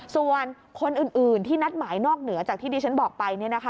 ส่วนคนอื่นที่นัดหมายนอกเหนือจากที่ดิฉันบอกไป